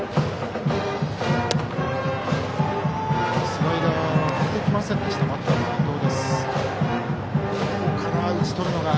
スライダーは振ってきませんでした伊藤。